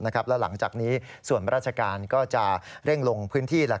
แล้วหลังจากนี้ส่วนราชการก็จะเร่งลงพื้นที่